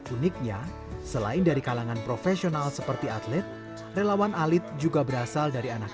uniknya selain dari kalangan profesional seperti atlet relawan alit juga berasal dari anak anak